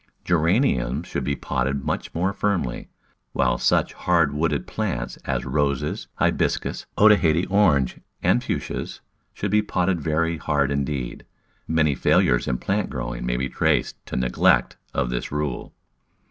Geraniums should be potted much more firmly, while such hard wooded plants as Rosfes, Hibiscus, Otaheite Orange and Fuchsias, should be potted very hard indeed. Many failures in plant growing may be traced to neglect of this rule.